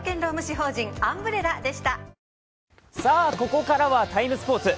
ここからは「ＴＩＭＥ，スポーツ」。